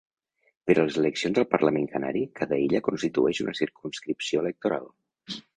Per a les eleccions al Parlament Canari, cada illa constitueix una circumscripció electoral.